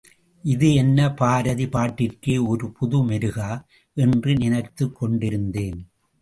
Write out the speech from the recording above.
இது என்ன பாரதி பாட்டிற்கே ஒரு புது மெருகா? என்று நினைத்துக் கொண்டிருந்தேன்.